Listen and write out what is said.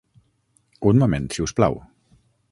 Un moment si us plau.